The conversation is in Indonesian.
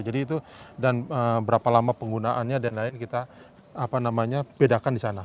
jadi itu dan berapa lama penggunaannya dan lain lain kita apa namanya bedakan di sana